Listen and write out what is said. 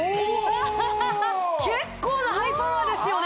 結構なハイパワーですよね